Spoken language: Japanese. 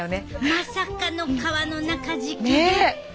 まさかの革の中敷きね。